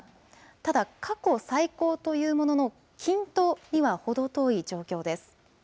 ただ、過去最高というものの、均等にはほど遠い状況です。